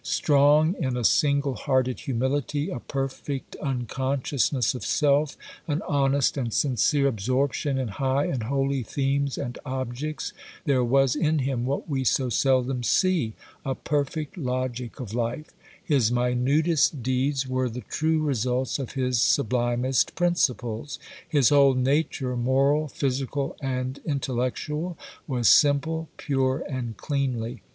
Strong in a single hearted humility, a perfect unconsciousness of self, an honest and sincere absorption in high and holy themes and objects, there was in him what we so seldom see,—a perfect logic of life; his minutest deeds were the true results of his sublimest principles. His whole nature, moral, physical, and intellectual, was simple, pure, and cleanly.